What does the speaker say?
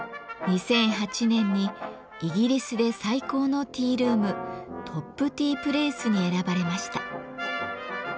２００８年にイギリスで最高のティールームトップ・ティープレイスに選ばれました。